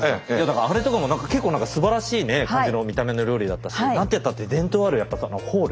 あれとかも結構何かすばらしい感じの見た目の料理だったし何てったって伝統あるホール